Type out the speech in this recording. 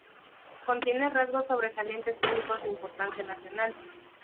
Contiene rasgos sobresalientes únicos de importancia nacional.